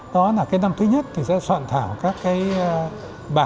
đó là cái năm thứ nhất thì sẽ soạn thảo các cái bảng